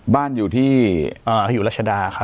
บ้านอยู่ที่เขาอยู่รัชดาครับ